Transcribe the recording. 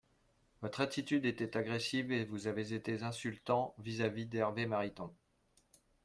Votre attitude était agressive et vous avez été insultant vis-à-vis d’Hervé Mariton.